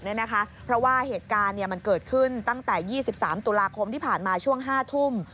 เพราะว่าเหตุการณ์มันเกิดขึ้นตั้งแต่๒๓ตุลาคมที่ผ่านมาช่วง๕ทุ่ม